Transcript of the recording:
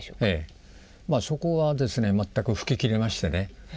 そこはですね全く吹き切れましてね。